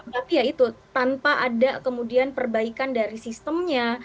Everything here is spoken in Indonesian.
tapi ya itu tanpa ada kemudian perbaikan dari sistemnya